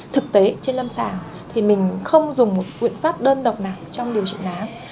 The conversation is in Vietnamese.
thực tế trên lâm sàng thì mình không dùng một quyện pháp đơn độc nào trong điều trị nám